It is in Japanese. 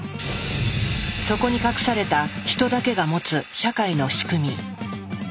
そこに隠されたヒトだけが持つ社会の仕組み。